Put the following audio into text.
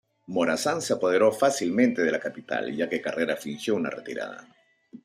Morazán se apoderó fácilmente de la capital, ya que Carrera fingió una retirada.